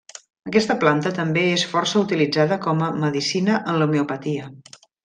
Aquesta planta també és força utilitzada com a medicina en l'homeopatia.